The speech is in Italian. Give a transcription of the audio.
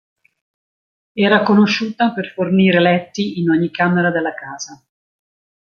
Era conosciuta per fornire "letti in ogni camera della casa".